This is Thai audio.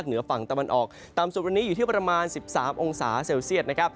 พวกเหนือฝั่งตะวันออกตามสูตรวันนี้อยู่ที่ประมาณ๑๓องศาเซลเซียส